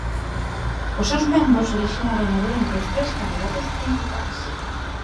Os seus membros elixen o gañador entre os tres candidatos principais.